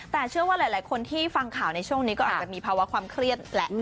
แต่เชื่อว่าหลายคนที่ฟังข่าวในช่วงนี้ก็อาจจะมีภาวะความเครียดแหละ